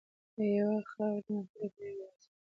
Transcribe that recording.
له یوې خاورې مختلفې میوې راځي.